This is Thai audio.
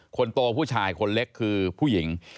คนโตผู้ชายคนเล็กคือผู้หญิง